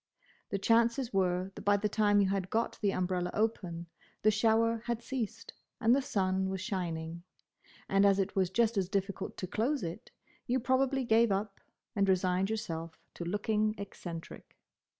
The chances were that by the time you had got the umbrella open, the shower had ceased and the sun was shining; and as it was just as difficult to close it, you probably gave up, and resigned yourself to looking eccentric.